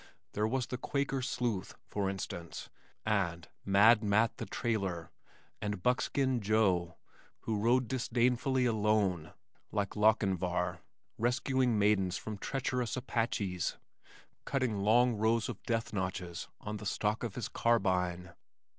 There was the Quaker Sleuth, for instance, and Mad Matt the Trailer, and Buckskin Joe who rode disdainfully alone (like Lochinvar), rescuing maidens from treacherous Apaches, cutting long rows of death notches on the stock of his carbine.